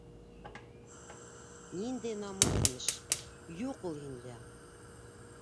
«ниндәй намыҫ» имеш... юҡ ул һиндә!